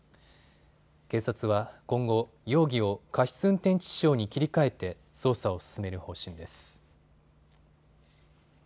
警察は今後、容疑を過失運転致死傷に切り替えて捜査を進める方針です。